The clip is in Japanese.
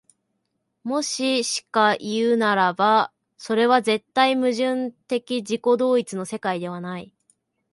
もししかいうならば、それは絶対矛盾的自己同一の世界ではない。